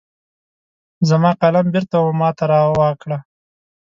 زما قلم بیرته وماته را روا کړه